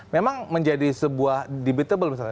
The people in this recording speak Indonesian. memang menjadi sebuah debatable misalnya